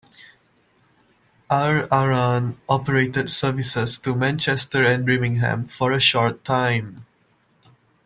Aer Arann operated services to Manchester and Birmingham for a short time.